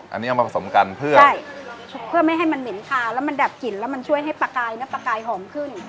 อันนี้เอามาผสมกันเพื่อไม่ให้มันเหม็นคาแล้วมันดับกลิ่นแล้วมันช่วยให้ปลากายเนื้อปลากายหอมขึ้น